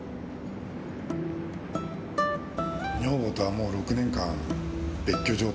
女房とはもう６年間別居状態だ。